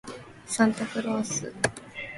サンタクロース